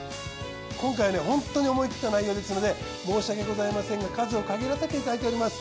今回ねホントに思い切った内容ですので申し訳ございませんが数を限らせていただいております。